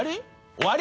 終わり？